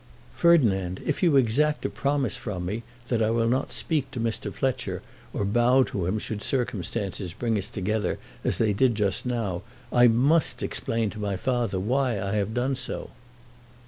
"Ferdinand, if you exact a promise from me that I will not speak to Mr. Fletcher or bow to him should circumstances bring us together as they did just now, I must explain to my father why I have done so."